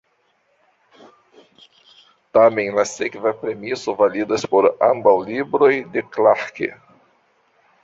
Tamen, la sekva premiso validas por ambaŭ libroj de Clarke.